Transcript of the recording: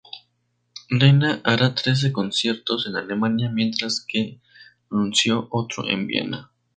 Lena hará trece conciertos en Alemania; mientras que anunció otro en Viena.